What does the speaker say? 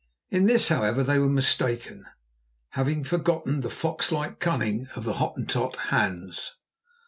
In this, however, they were mistaken, having forgotten the fox like cunning of the Hottentot, Hans.